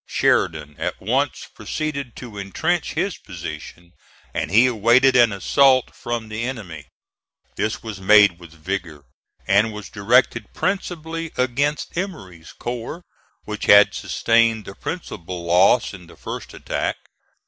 Sheridan at once proceeded to intrench his position; and he awaited an assault from the enemy. This was made with vigor, and was directed principally against Emory's corps, which had sustained the principal loss in the first attack.